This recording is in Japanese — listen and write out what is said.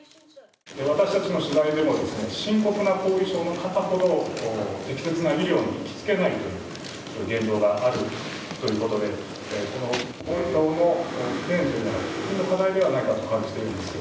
私たちの取材でも、深刻な後遺症の方ほど適切な医療にいきつけないという現状があるということで、それが課題ではないかと感じているんです。